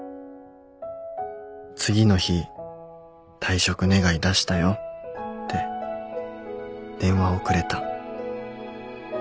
次の日退職願出したよって電話をくれた